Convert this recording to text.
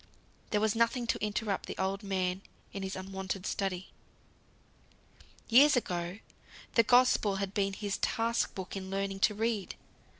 There was nothing to interrupt the old man in his unwonted study. Years ago, the Gospel had been his task book in learning to read.